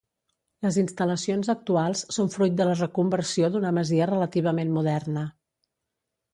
Les instal·lacions actuals són fruit de la reconversió d'una masia relativament moderna.